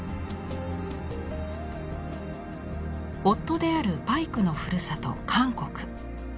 夫であるパイクのふるさと韓国。